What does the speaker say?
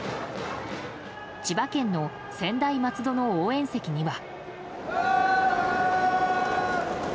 千葉県の専大松戸の応援席には。